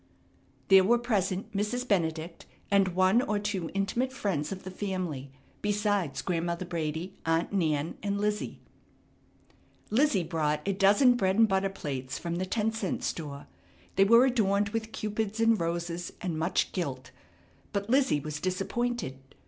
There were present Mrs. Benedict and one or two intimate friends of the family, besides Grandmother Brady, Aunt Nan, and Lizzie. Lizzie brought a dozen bread and butter plates from the ten cent store. They were adorned with cupids and roses and much gilt. But Lizzie was disappointed.